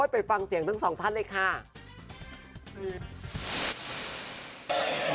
ไปฟังเสียงทั้งสองท่านเลยค่ะ